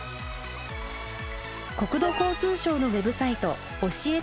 国土交通省のウェブサイト「おしえて！